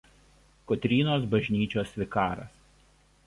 Kotrynos bažnyčios vikaras.